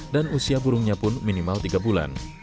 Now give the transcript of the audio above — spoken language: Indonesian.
dan usia burungnya pun minimal tiga bulan